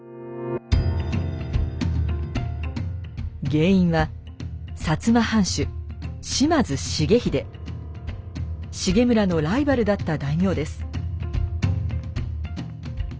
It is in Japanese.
原因は重村のライバルだった大名です。